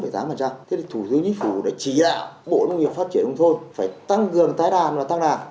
thế thì thủ tướng nhất phủ đã chỉ đạo bộ nguyên phát triển hùng thôn phải tăng cường tái đàn và tăng đàn